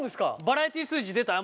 バラエティー数字出た？